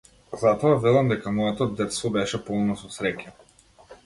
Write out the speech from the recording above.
Затоа велам дека моето детство беше полно со среќа.